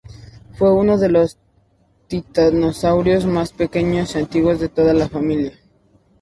Fue uno de los Titanosaurios más pequeños y antiguos de toda la familia.